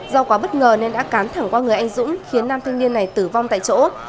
do quá bất ngờ nên đã cán thẳng qua người anh dũng khiến nam thanh niên này tử vong tại chỗ